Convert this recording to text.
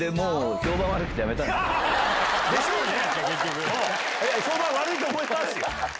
評判悪いと思いますよ。